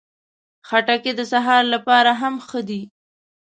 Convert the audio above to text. خټکی د سهار لپاره هم ښه ده.